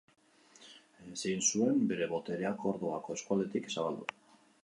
Ezin zuen bere boterea Kordobako eskualdetik zabaldu.